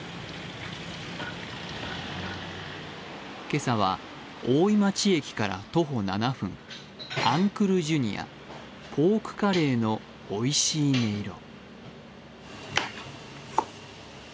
今朝は大井町駅から徒歩７分、アンクルＪｒ．ポークカレーのおいしい音色。